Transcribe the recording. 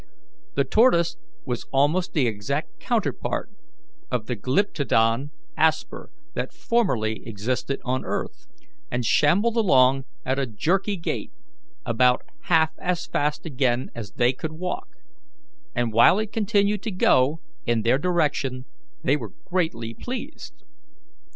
The tortoise was almost the exact counterpart of the Glyptodon asper that formerly existed on earth, and shambled along at a jerky gait, about half as fast again as they could walk, and while it continued to go in their direction they were greatly pleased.